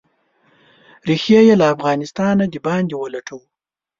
ریښې یې له افغانستانه د باندې ولټوو.